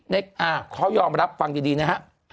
เขายอมรับฟังดีนะฮะ